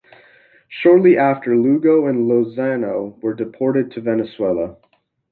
Shortly after, Lugo and Lozano were deported to Venezuela.